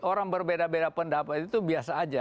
orang berbeda beda pendapat itu biasa aja